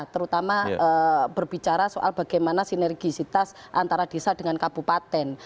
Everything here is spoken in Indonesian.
terutama berbicara soal bagaimana sinergisitas antara desa dengan kabupaten